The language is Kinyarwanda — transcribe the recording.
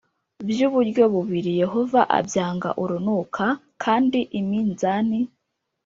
by uburyo bubiri Yehova abyanga urunuka p kandi iminzani